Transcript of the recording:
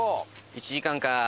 １時間か。